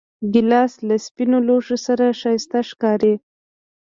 ګیلاس له سپینو لوښو سره ښایسته ښکاري.